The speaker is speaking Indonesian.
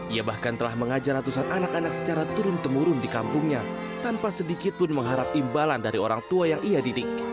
ia bahkan telah mengajar ratusan anak anak secara turun temurun di kampungnya tanpa sedikit pun mengharap imbalan dari orang tua yang ia didik